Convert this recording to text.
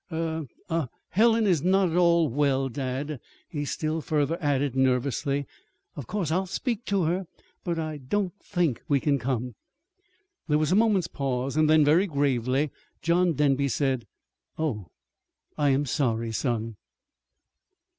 "Er ah Helen is not well at all, dad," he still further added, nervously. "Of course I'll speak to her. But I don't think we can come." There was a moment's pause. Then, very gravely, John Denby said: "Oh, I am sorry, son."